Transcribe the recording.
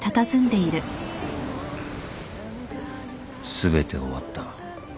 ［全て終わった］